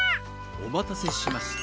おまたせしました。